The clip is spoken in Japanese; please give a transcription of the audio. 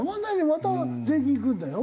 また税金いくんだよ？